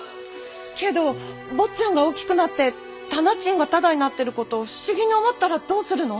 けど坊ちゃんが大きくなって店賃がただになってる事を不思議に思ったらどうするの？